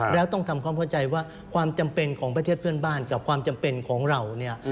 แล้วต้องทำความเข้าใจว่าความจำเป็นของประเทศเพื่อนบ้านกับความจำเป็นของเราเนี่ย